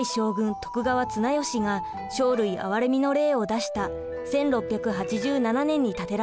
徳川綱吉が生類憐れみの令を出した１６８７年に建てられました。